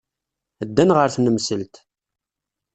Ddan ɣer tnemselt.